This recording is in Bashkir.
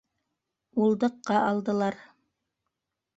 Улдыҡҡа алдылар.